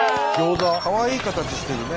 かわいい形してるね。